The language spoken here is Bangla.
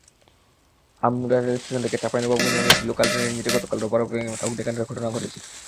আমনূরা রেলস্টেশন থেকে চাঁপাইনবাবগঞ্জগামী একটি লোকাল ট্রেনের ইঞ্জিনে গতকাল রোববার অগ্নিকাণ্ডের ঘটনা ঘটেছে।